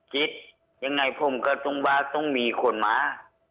คิดยังไงผมก็ต้องว่าต้องมีคนมา